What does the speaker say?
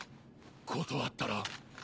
断ったら？